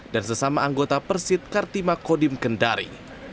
dan sesama anggota persid kartima kodim kendari